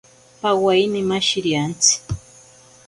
Pawaine mashiriantsi.